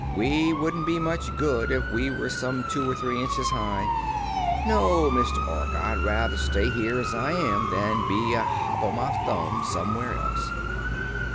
We wouldn't be much good if we were some two or three inches high. No, Mr. Ork, I'd rather stay here, as I am, than be a hop o' my thumb somewhere else."